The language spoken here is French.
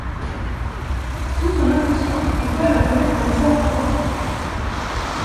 Sous son impulsion, l'école va connaître un essor important.